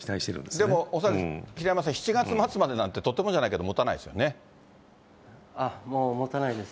でも恐らく平山さん、七月末までなんて、とてもじゃないけど、もうもたないです。